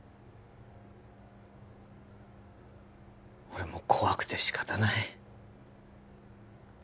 俺も怖くてしかたない